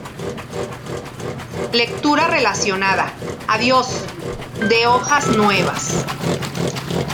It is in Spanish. Lectura relacionada: "!Adiós¡", de "Hojas nuevas".